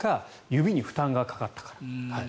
指に負担がかかったから。